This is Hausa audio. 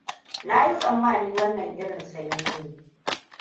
Na yi tsammani wannan irin sanyi ne.